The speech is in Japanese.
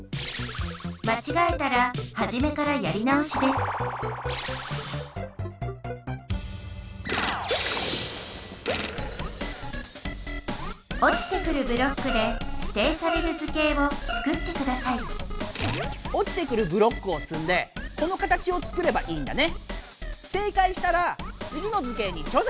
まちがえたらはじめからやり直しですおちてくるブロックでしていされる図形をつくってくださいおちてくるブロックをつんでこの形をつくればいいんだね。